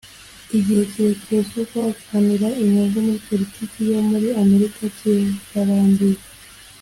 igihe kirekire cyo guharanira inyungu muri politiki yo muri amerika kirarangiye